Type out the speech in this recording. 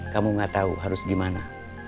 kamu gak tahu harus gimana